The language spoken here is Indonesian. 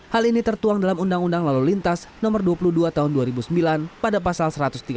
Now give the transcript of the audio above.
hal ini tertuang dalam undang undang lalu lintas no dua puluh dua tahun dua ribu sembilan pada pasal satu ratus tiga puluh